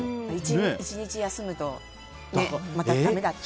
１日休むとまただめだっていう。